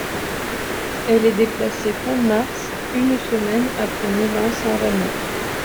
Elle est déplacée fin mars, une semaine après Milan-San Remo.